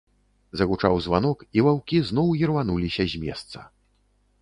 Загучаў званок, і ваўкі зноў ірвануліся з месца.